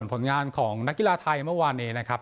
ผลงานของนักกีฬาไทยเมื่อวานนี้นะครับ